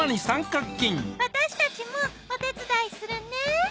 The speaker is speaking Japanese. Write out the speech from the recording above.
私たちもお手伝いするね！